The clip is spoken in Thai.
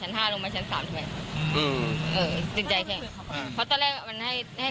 คือตอนแรกมันได้เห็นการว่าเป็นแฟนหนูพบปืนมา